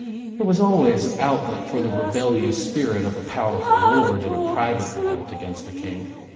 There was always outlet for the rebellious spirit of a powerful lord in pri vate revolt against the King.